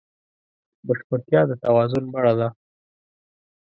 بشپړتیا د توازن بڼه ده.